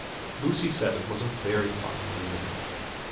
Lucy said it was a very fine room.